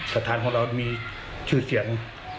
สถานของเรามีชื่อเสียง